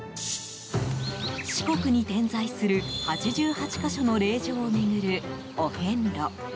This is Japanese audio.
四国に点在する８８か所の霊場を巡るお遍路。